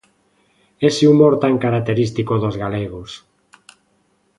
Ese humor tan característico dos galegos.